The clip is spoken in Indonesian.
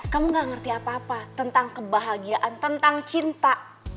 kamu gak ngerti apa apa tentang kebahagiaan tentang cinta